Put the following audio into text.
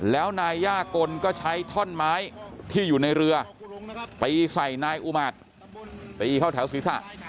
แล้วนายย่ากลก็ใช้ท่อนไม้ที่อยู่ในเรือไปใส่นายอุมาตรตีเข้าแถวศีรษะ